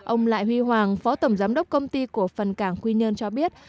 ông lại huy hoàng phó tổng giám đốc công ty cổ phần cảng quy nhơn cho biết